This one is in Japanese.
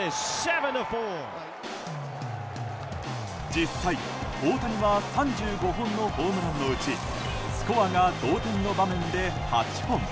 実際、大谷は３５本のホームランのうちスコアが同点の場面で８本。